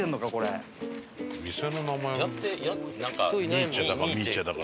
ニーチェだかミーチェだか。